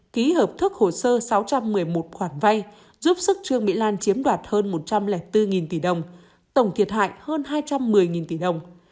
ký hợp thức hồ sơ sáu trăm một mươi một khoản vay giúp sức trương mỹ lan chiếm đoạt hơn một trăm linh bốn tỷ đồng tổng thiệt hại hơn hai trăm một mươi tỷ đồng